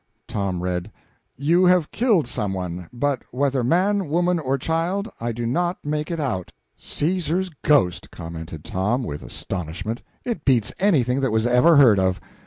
Tom read: "You have killed some one, but whether man, woman or child, I do not make out." "Cæsar's ghost!" commented Tom, with astonishment. "It beats anything that was ever heard of!